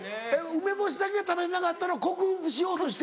梅干しだけが食べれなかったの克服しようとして？